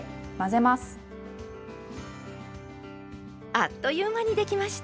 あっという間にできました。